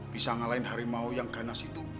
bisa ngalahin harimau yang ganas itu